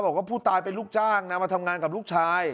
บอกว่าผู้ตายเป็นลูกจ้างนะมาทำงานกับลูกชาย